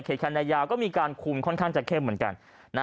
คันนายาวก็มีการคุมค่อนข้างจะเข้มเหมือนกัน